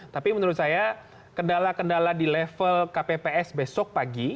tapi menurut saya kendala kendala di level kpps besok pagi